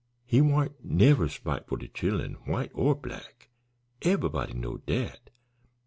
He warn't never spiteful to chillen, white or black. Eve'ybody knowed dat.